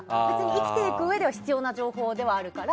生きていくうえでは必要な情報ではあるから。